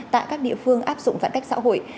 tại các địa phương áp dụng giãn cách xã hội